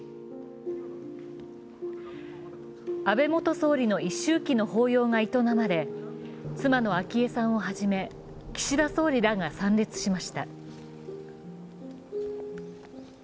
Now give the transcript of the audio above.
安倍元総理の一周忌の法要が営まれ妻の昭恵さんをはじめ岸田総理らが参列しました。